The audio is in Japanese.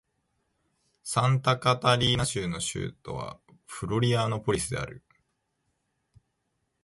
サンタカタリーナ州の州都はフロリアノーポリスである